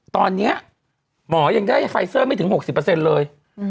ตอนนี้หมอยังได้ไฟเซอร์ไม่ถึง๖๐เลย